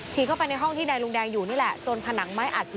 เข้าไปในห้องที่นายลุงแดงอยู่นี่แหละจนผนังไม้อัดอยู่